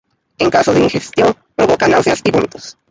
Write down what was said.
En caso de ingestión provoca náuseas y vómitos.